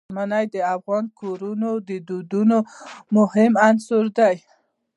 منی د افغان کورنیو د دودونو مهم عنصر دی.